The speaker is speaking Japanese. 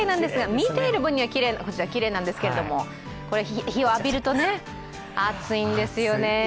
見てる分にはきれいなんですけど日を浴びると、暑いんですよね。